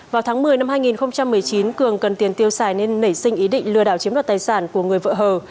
vào tháng một mươi năm hai nghìn một mươi chín cường cần tiền tiêu xài nên nảy sinh ý định lừa đảo chiếm đoạt tài sản của người vợ hờ